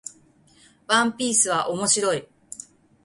ワンピースは面白い